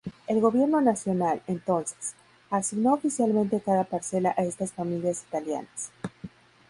El Gobierno nacional, entonces, asignó oficialmente cada parcela a estas familias italianas.